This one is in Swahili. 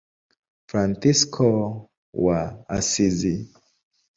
Fransisko wa Asizi.